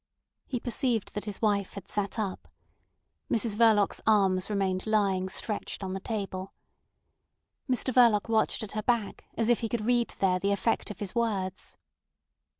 He perceived that his wife had sat up. Mrs Verloc's arms remained lying stretched on the table. Mr Verloc watched at her back as if he could read there the effect of his words.